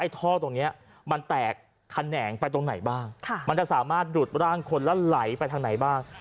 ท่อตรงนี้มันแตกแขนงไปตรงไหนบ้างมันจะสามารถดูดร่างคนแล้วไหลไปทางไหนบ้าง